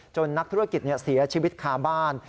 นักธุรกิจเสียชีวิตคาบ้าน